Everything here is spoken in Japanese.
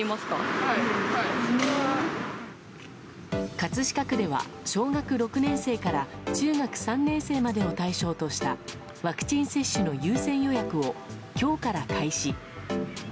葛飾区では小学６年生から中学３年生までを対象としたワクチン接種の優先予約を今日から開始。